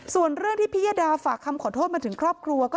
ส่วนเรื่องที่พิยดาฝากคำขอโทษมาถึงครอบครัว